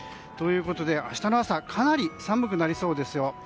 ということで、明日の朝はかなり寒くなりそうですよ。